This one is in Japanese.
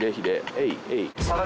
エイエイ。